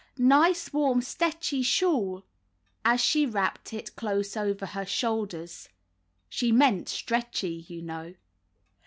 ''Nice warm st'etchy shawl/' as she wrapped it close over her shoulders. She meant stretchy, you know.